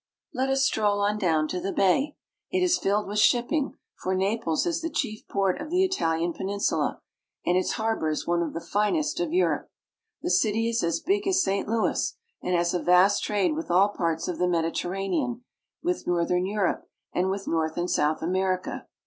Let us stroll on down to the bay. It is filled with ship ping, for Naples is the chief port of the Italian peninsula, and its harbor is one of the finest of Europe. The city is as big as St. Louis, and has a vast trade with all parts of the Mediterranean, with northern Europe, and with North and South America.